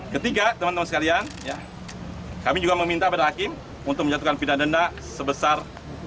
ketiga teman teman sekalian kami juga meminta pada hakim untuk menjatuhkan pidana denda sebesar